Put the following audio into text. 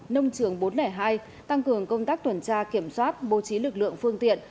nông trường bốn trăm linh hai tăng cường công tác tuần tra kiểm soát bố trí lực lượng phương tiện